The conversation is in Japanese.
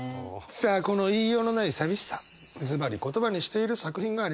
さあこの言いようのない寂しさズバリ言葉にしている作品がありました。